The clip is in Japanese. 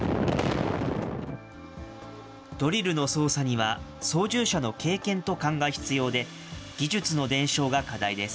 ドリルの操作には操縦者の経験と勘が必要で、技術の伝承が課題です。